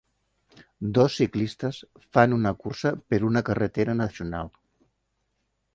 Dos ciclistes fan una cursa per una carretera nacional.